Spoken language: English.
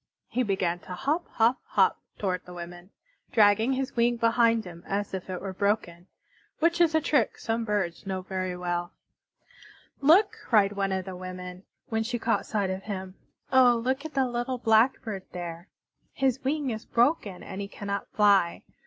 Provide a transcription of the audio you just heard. He began to hop, hop, hop toward the women, dragging his wing behind him as if it were broken, which is a trick some birds know very well. "Look!" cried one of the women, when she caught sight of him. "Oh, look at the little Blackbird there! His wing is broken and he cannot fly.